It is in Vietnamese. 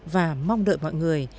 và mong đợi mọi người